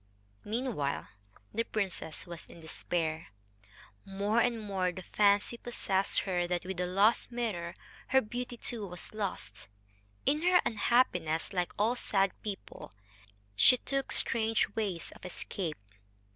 Meanwhile the princess was in despair. More and more the fancy possessed her that with the lost mirror her beauty too was lost. In her unhappiness, like all sad people, she took strange ways of escape.